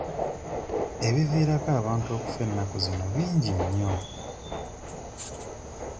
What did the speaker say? Ebiviirako abantu okufa ennaku zino bingi nnyo.